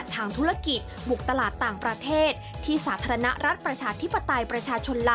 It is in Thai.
ทุรกิจเก่านี้เดินอย่างไรให้ถูกทาง